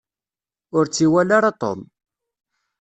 Ur tt-iwala ara Tom.